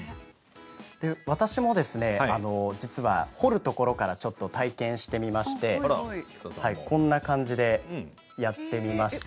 私も実は彫るところからちょっと体験してみましてこんな感じでやってみました。